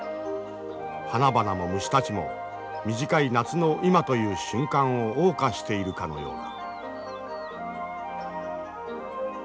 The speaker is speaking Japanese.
花々も虫たちも短い夏の今という瞬間をおう歌しているかのようだ。